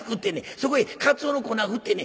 そこへ鰹の粉振ってね